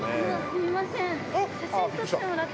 すみません。